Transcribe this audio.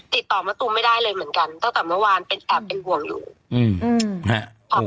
ติดต่อมะตูไม่ได้เลยเหมือนกันตั้งแต่เมื่อวานเป็นห่วงอยู่